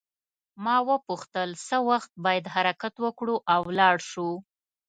ما وپوښتل څه وخت باید حرکت وکړو او ولاړ شو.